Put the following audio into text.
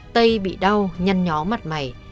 tây bị đau nhăn nhó mặt mày